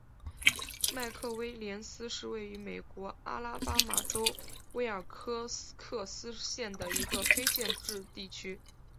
麦克威廉斯是位于美国阿拉巴马州威尔科克斯县的一个非建制地区。